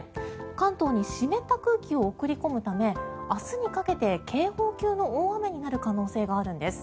関東に湿った空気を送り込むため明日にかけて警報級の大雨になる可能性があるんです。